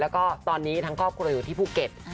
แล้วก็ตอนนี้ทั้งครอบครัวอยู่ที่ภูเก็ต